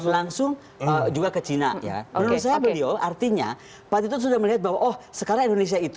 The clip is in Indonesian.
langsung juga ke cina ya oke artinya pak itu sudah melihat bahwa oh sekarang indonesia itu